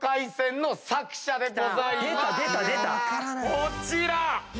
こちら！